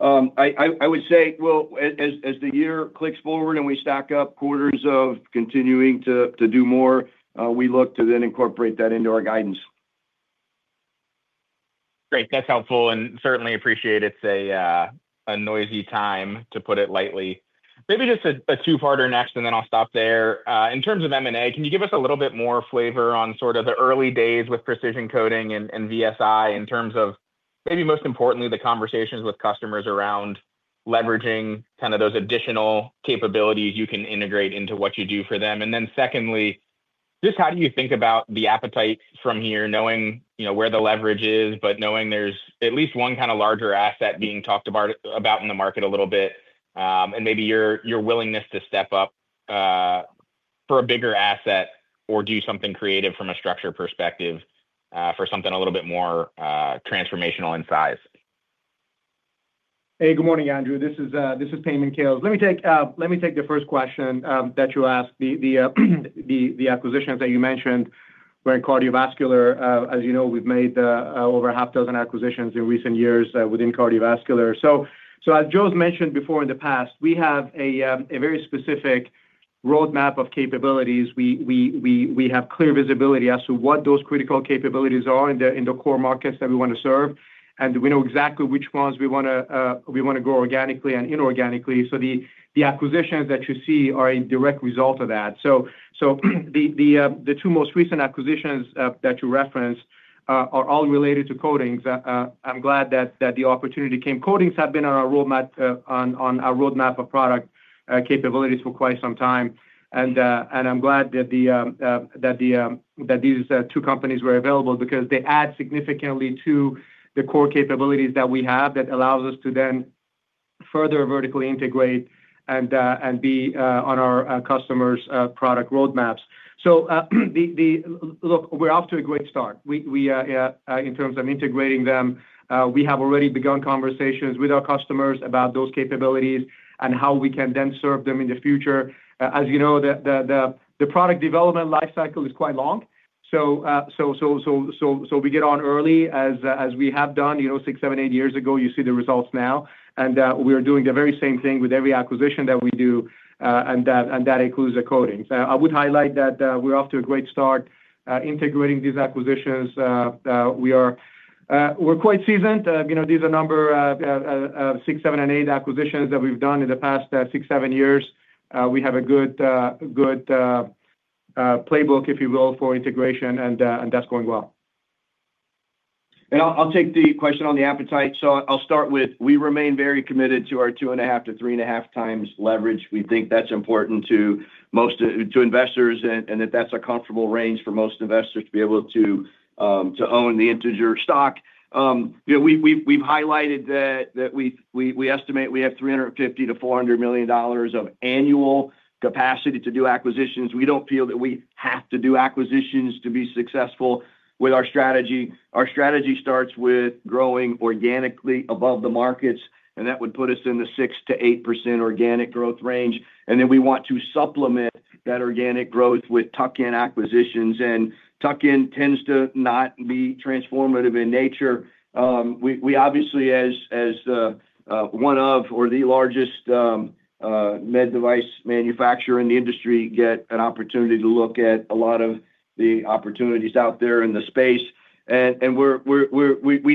I would say, as the year clicks forward and we stack up quarters of continuing to do more, we look to then incorporate that into our guidance. Great. That's helpful. I certainly appreciate it's a noisy time, to put it lightly. Maybe just a two-parter next, and then I'll stop there. In terms of M&A, can you give us a little bit more flavor on sort of the early days with Precision Coating and VSi Parylene in terms of maybe most importantly, the conversations with customers around leveraging kind of those additional capabilities you can integrate into what you do for them? Secondly, just how do you think about the appetite from here, knowing where the leverage is, but knowing there's at least one kind of larger asset being talked about in the market a little bit, and maybe your willingness to step up for a bigger asset or do something creative from a structure perspective for something a little bit more transformational in size? Hey, good morning, Andrew. This is Payman Khales. Let me take the first question that you asked. The acquisitions that you mentioned were in cardiovascular. As you know, we've made over half a dozen acquisitions in recent years within cardiovascular. As Joe's mentioned before in the past, we have a very specific roadmap of capabilities. We have clear visibility as to what those critical capabilities are in the core markets that we want to serve. We know exactly which ones we want to grow organically and inorganically. The acquisitions that you see are a direct result of that. The two most recent acquisitions that you referenced are all related to coating. I'm glad that the opportunity came. Coating has been on our roadmap of product capabilities for quite some time. I'm glad that these two companies were available because they add significantly to the core capabilities that we have that allows us to then further vertically integrate and be on our customers' product roadmaps. Look, we're off to a great start. In terms of integrating them, we have already begun conversations with our customers about those capabilities and how we can then serve them in the future. As you know, the product development lifecycle is quite long. We get on early as we have done. Six, seven, eight years ago, you see the results now. We are doing the very same thing with every acquisition that we do, and that includes the coating. I would highlight that we're off to a great start integrating these acquisitions. We're quite seasoned. These are number six, seven, and eight acquisitions that we've done in the past six, seven years. We have a good playbook, if you will, for integration, and that's going well. I'll take the question on the appetite. We remain very committed to our 2.5-3.5x leverage. We think that's important to investors and that that's a comfortable range for most investors to be able to own the Integer stock. We've highlighted that we estimate we have $350 million-$400 million of annual capacity to do acquisitions. We don't feel that we have to do acquisitions to be successful with our strategy. Our strategy starts with growing organically above the markets, and that would put us in the 6%-8% organic growth range. We want to supplement that organic growth with tuck-in acquisitions. Tuck-in tends to not be transformative in nature. We obviously, as one of or the largest med device manufacturer in the industry, get an opportunity to look at a lot of the opportunities out there in the space. We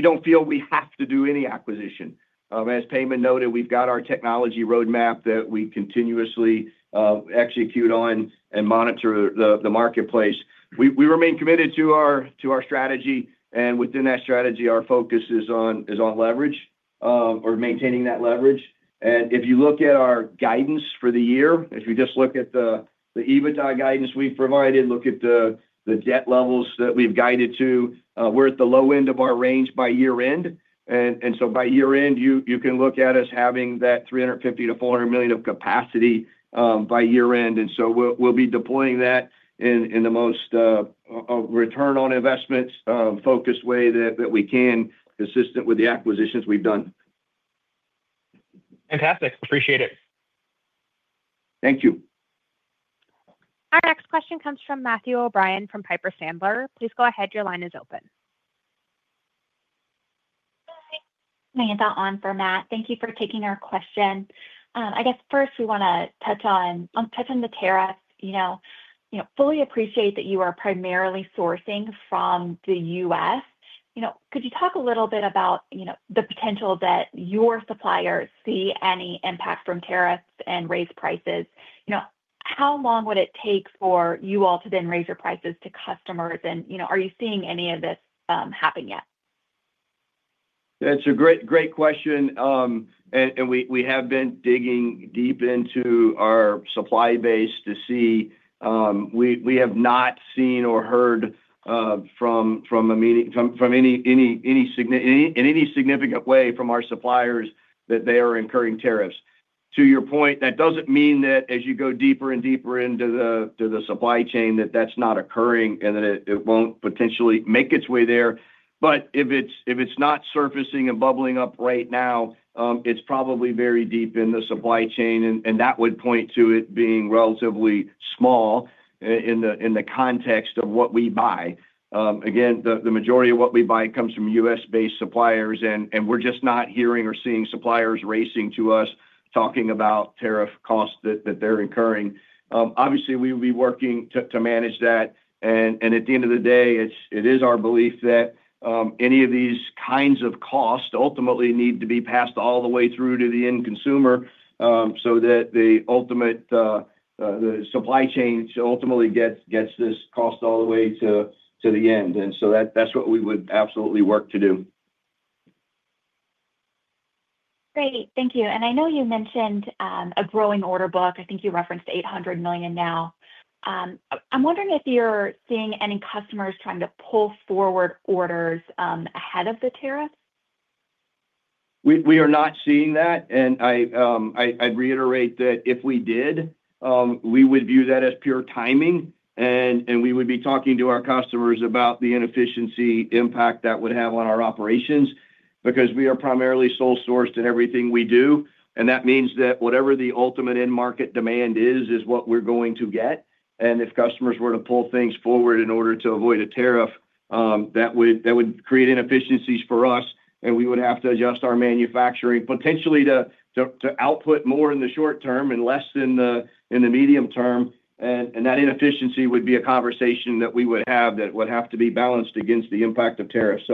do not feel we have to do any acquisition. As Payman noted, we have our technology roadmap that we continuously execute on and monitor the marketplace. We remain committed to our strategy. Within that strategy, our focus is on leverage or maintaining that leverage. If you look at our guidance for the year, if you just look at the EBITDA guidance we have provided, look at the debt levels that we have guided to, we are at the low end of our range by year-end. By year-end, you can look at us having that $350 million-$400 million of capacity by year-end. We will be deploying that in the most return on investments focused way that we can, consistent with the acquisitions we have done. Fantastic. Appreciate it. Thank you. Our next question comes from Matthew O'Brien from Piper Sandler. Please go ahead. Your line is open. [AUDIO DISTORTION] on for Matt. Thank you for taking our question. I guess first, we want to touch on the tariffs. Fully appreciate that you are primarily sourcing from the U.S. Could you talk a little bit about the potential that your suppliers see any impact from tariffs and raise prices? How long would it take for you all to then raise your prices to customers? Are you seeing any of this happen yet? That's a great question. We have been digging deep into our supply base to see. We have not seen or heard from any significant way from our suppliers that they are incurring tariffs. To your point, that does not mean that as you go deeper and deeper into the supply chain, that is not occurring and that it will not potentially make its way there. If it is not surfacing and bubbling up right now, it is probably very deep in the supply chain. That would point to it being relatively small in the context of what we buy. Again, the majority of what we buy comes from U.S.-based suppliers. We are just not hearing or seeing suppliers racing to us talking about tariff costs that they are incurring. Obviously, we will be working to manage that. At the end of the day, it is our belief that any of these kinds of costs ultimately need to be passed all the way through to the end consumer so that the supply chain ultimately gets this cost all the way to the end. That is what we would absolutely work to do. Great. Thank you. I know you mentioned a growing order book. I think you referenced $800 million now. I'm wondering if you're seeing any customers trying to pull forward orders ahead of the tariffs? We are not seeing that. I would reiterate that if we did, we would view that as pure timing. We would be talking to our customers about the inefficiency impact that would have on our operations because we are primarily sole sourced in everything we do. That means that whatever the ultimate end market demand is, is what we're going to get. If customers were to pull things forward in order to avoid a tariff, that would create inefficiencies for us. We would have to adjust our manufacturing potentially to output more in the short term and less in the medium term. That inefficiency would be a conversation that we would have that would have to be balanced against the impact of tariffs.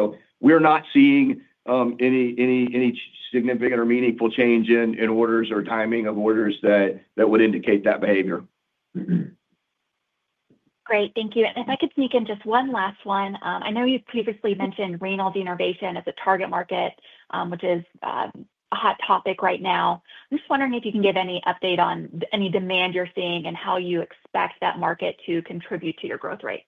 We are not seeing any significant or meaningful change in orders or timing of orders that would indicate that behavior. Great. Thank you. If I could sneak in just one last one. I know you previously mentioned renal denervation as a target market, which is a hot topic right now. I am just wondering if you can give any update on any demand you are seeing and how you expect that market to contribute to your growth rate?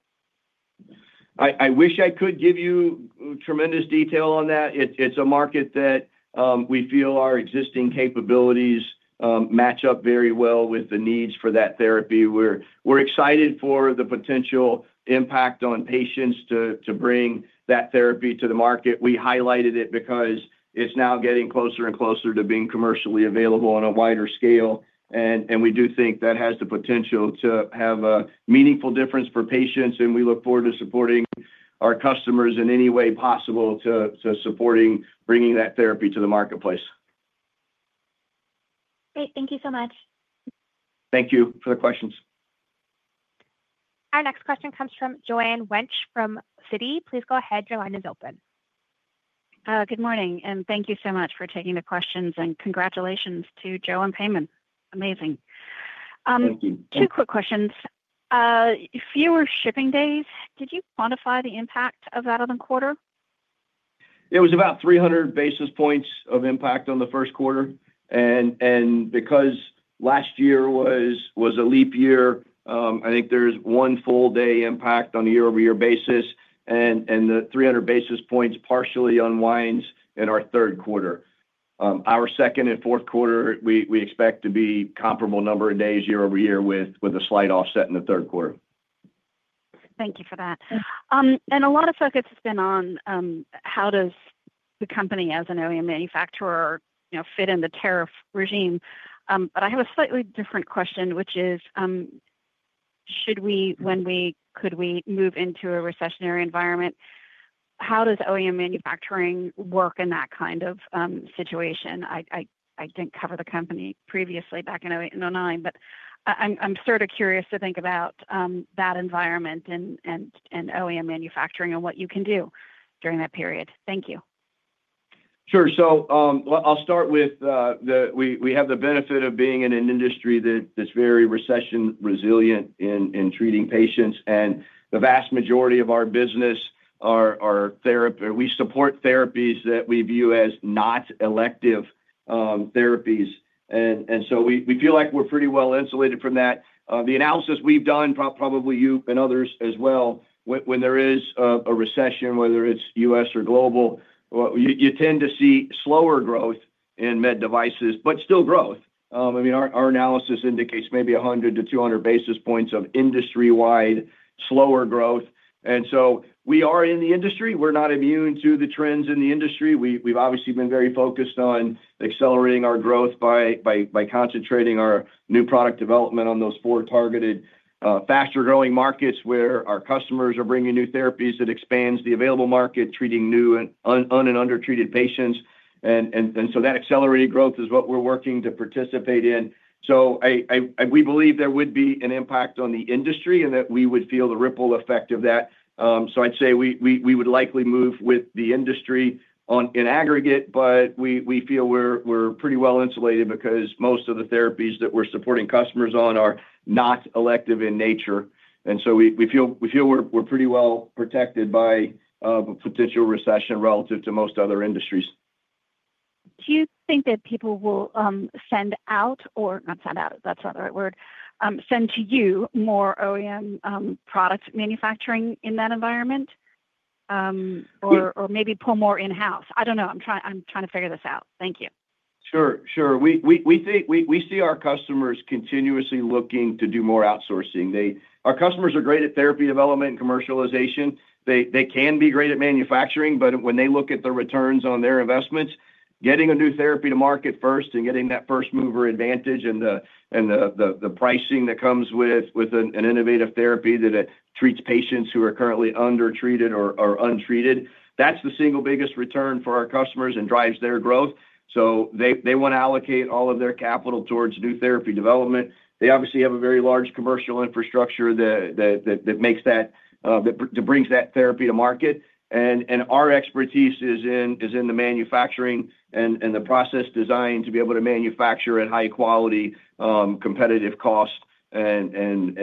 I wish I could give you tremendous detail on that. It's a market that we feel our existing capabilities match up very well with the needs for that therapy. We're excited for the potential impact on patients to bring that therapy to the market. We highlighted it because it's now getting closer and closer to being commercially available on a wider scale. We do think that has the potential to have a meaningful difference for patients. We look forward to supporting our customers in any way possible to supporting bringing that therapy to the marketplace. Great. Thank you so much. Thank you for the questions. Our next question comes from Joanne Wuensch from Citi. Please go ahead. Your line is open. Good morning. Thank you so much for taking the questions. Congratulations to Joe and Payman. Amazing. Two quick questions. Fewer shipping days. Did you quantify the impact of that on the quarter? It was about 300 basis points of impact on the first quarter. Because last year was a leap year, I think there's one full-day impact on a year-over-year basis. The 300 basis points partially unwinds in our third quarter. Our second and fourth quarter, we expect to be a comparable number of days year-over-year with a slight offset in the third quarter. Thank you for that. A lot of focus has been on how does the company as an OEM manufacturer fit in the tariff regime. I have a slightly different question, which is, when could we move into a recessionary environment? How does OEM manufacturing work in that kind of situation? I did not cover the company previously back in 2008 and 2009, but I am sort of curious to think about that environment and OEM manufacturing and what you can do during that period. Thank you. Sure. I'll start with we have the benefit of being in an industry that's very recession resilient in treating patients. The vast majority of our business, we support therapies that we view as not elective therapies. We feel like we're pretty well insulated from that. The analysis we've done, probably you and others as well, when there is a recession, whether it's U.S. or global, you tend to see slower growth in med devices, but still growth. I mean, our analysis indicates maybe 100-200 basis points of industry-wide slower growth. We are in the industry. We're not immune to the trends in the industry. We've obviously been very focused on accelerating our growth by concentrating our new product development on those four targeted faster-growing markets where our customers are bringing new therapies that expands the available market, treating new and undertreated patients. That accelerated growth is what we're working to participate in. We believe there would be an impact on the industry and that we would feel the ripple effect of that. I'd say we would likely move with the industry in aggregate, but we feel we're pretty well insulated because most of the therapies that we're supporting customers on are not elective in nature. We feel we're pretty well protected by potential recession relative to most other industries. Do you think that people will send out or not send out? That's not the right word. Send to you more OEM product manufacturing in that environment or maybe pull more in-house? I don't know. I'm trying to figure this out. Thank you. Sure. We see our customers continuously looking to do more outsourcing. Our customers are great at therapy development and commercialization. They can be great at manufacturing, but when they look at the returns on their investments, getting a new therapy to market first and getting that first-mover advantage and the pricing that comes with an innovative therapy that treats patients who are currently undertreated or untreated, that's the single biggest return for our customers and drives their growth. They want to allocate all of their capital towards new therapy development. They obviously have a very large commercial infrastructure that brings that therapy to market. Our expertise is in the manufacturing and the process design to be able to manufacture at high quality, competitive cost, and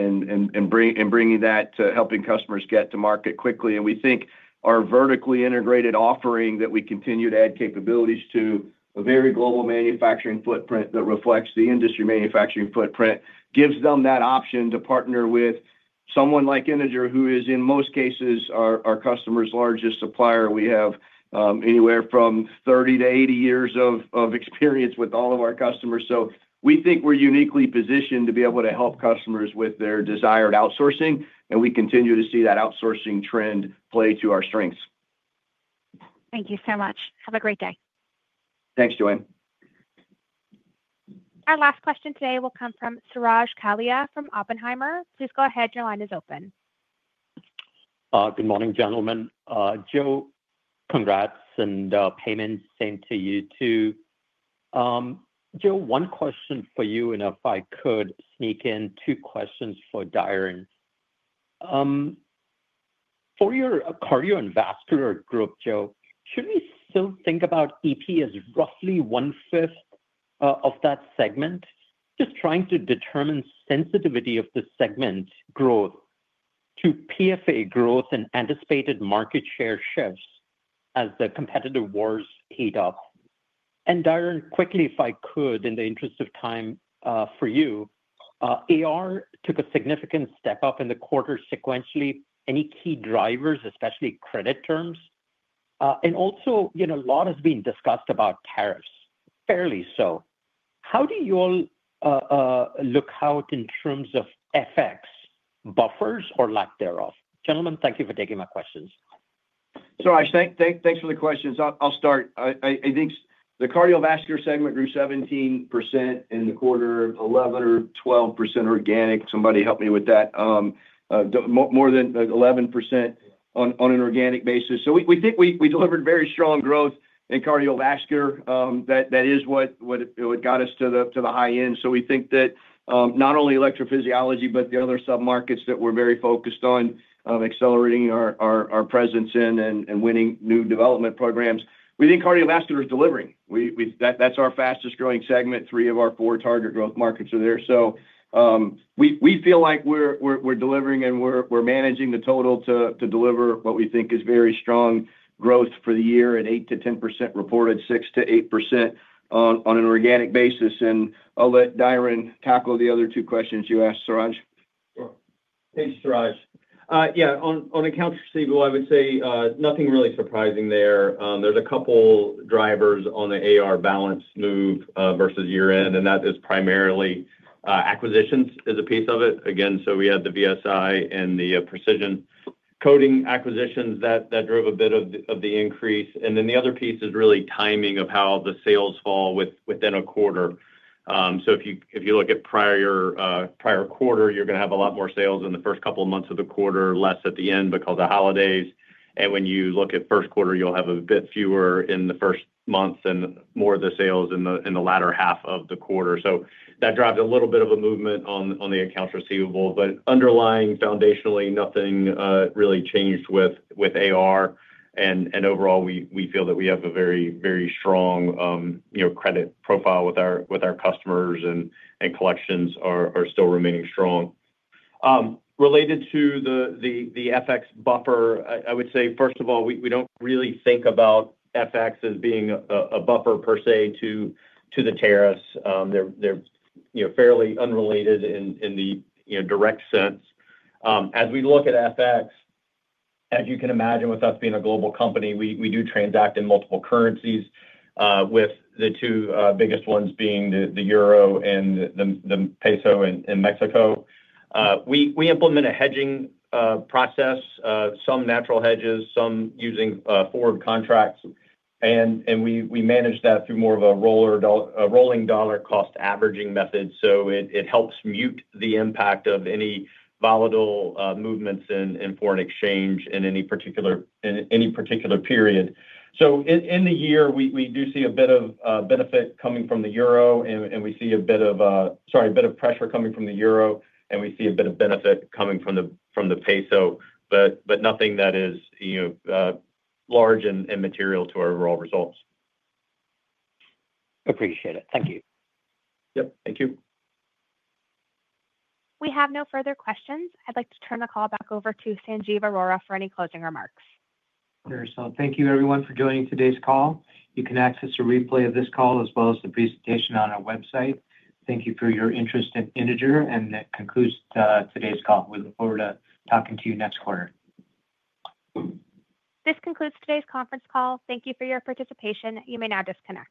bringing that to helping customers get to market quickly. We think our vertically integrated offering that we continue to add capabilities to, a very global manufacturing footprint that reflects the industry manufacturing footprint, gives them that option to partner with someone like Integer, who is in most cases our customer's largest supplier. We have anywhere from 30-80 years of experience with all of our customers. We think we're uniquely positioned to be able to help customers with their desired outsourcing. We continue to see that outsourcing trend play to our strengths. Thank you so much. Have a great day. Thanks, Joanne. Our last question today will come from Suraj Kalia from Oppenheimer. Please go ahead. Your line is open. Good morning, gentlemen. Joe, congrats. And Payman, same to you too. Joe, one question for you, and if I could sneak in two questions for Diron. For your cardiovascular group, Joe, should we still think about EP as roughly 1/5 of that segment? Just trying to determine sensitivity of the segment growth to PFA growth and anticipated market share shifts as the competitive wars heat up. Diron, quickly, if I could, in the interest of time for you, AR took a significant step up in the quarter sequentially. Any key drivers, especially credit terms? Also, a lot has been discussed about tariffs, fairly so. How do you all look out in terms of FX buffers or lack thereof? Gentlemen, thank you for taking my questions. Suraj, thanks for the questions. I'll start. I think the cardiovascular segment grew 17% in the quarter, 11 or 12% organic. Somebody help me with that. More than 11% on an organic basis. We think we delivered very strong growth in cardiovascular. That is what got us to the high end. We think that not only electrophysiology, but the other sub-markets that we're very focused on accelerating our presence in and winning new development programs. We think cardiovascular is delivering. That's our fastest-growing segment. Three of our four target growth markets are there. We feel like we're delivering and we're managing the total to deliver what we think is very strong growth for the year at 8-10% reported, 6-8% on an organic basis. I'll let Diron tackle the other two questions you asked, Suraj. Sure. Thanks, Suraj. Yeah. On accounts receivable, I would say nothing really surprising there. There's a couple of drivers on the AR balance move versus year-end. That is primarily acquisitions is a piece of it. Again, we had the VSi and the Precision Coating acquisitions that drove a bit of the increase. The other piece is really timing of how the sales fall within a quarter. If you look at prior quarter, you're going to have a lot more sales in the first couple of months of the quarter, less at the end because of holidays. When you look at first quarter, you'll have a bit fewer in the first months and more of the sales in the latter half of the quarter. That drives a little bit of a movement on the accounts receivable. Underlying, foundationally, nothing really changed with AR. Overall, we feel that we have a very, very strong credit profile with our customers, and collections are still remaining strong. Related to the FX buffer, I would say, first of all, we do not really think about FX as being a buffer per se to the tariffs. They are fairly unrelated in the direct sense. As we look at FX, as you can imagine, with us being a global company, we do transact in multiple currencies, with the two biggest ones being the euro and the peso in Mexico. We implement a hedging process, some natural hedges, some using forward contracts. We manage that through more of a rolling dollar cost averaging method. It helps mute the impact of any volatile movements in foreign exchange in any particular period. In the year, we do see a bit of benefit coming from the euro. We see a bit of, sorry, a bit of pressure coming from the euro. We see a bit of benefit coming from the peso, but nothing that is large and material to our overall results. Appreciate it. Thank you. Yep. Thank you. We have no further questions. I'd like to turn the call back over to Sanjiv Arora for any closing remarks. Thank you, everyone, for joining today's call. You can access a replay of this call as well as the presentation on our website. Thank you for your interest in Integer. That concludes today's call. We look forward to talking to you next quarter. This concludes today's conference call. Thank you for your participation. You may now disconnect.